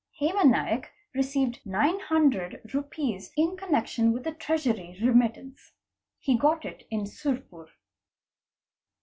Hema Naik received 900 rupees in connection with the treasury remit tance. He got it in Surapur.